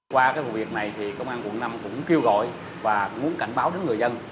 qua cái vụ việc này thì công an quận năm cũng kêu gọi và muốn cảnh báo đến người dân